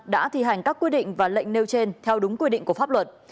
đã thi hành các quy định và lệnh nêu trên theo đúng quy định của pháp luật